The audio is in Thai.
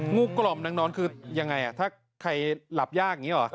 กล่อมนางนอนคือยังไงถ้าใครหลับยากอย่างนี้หรอ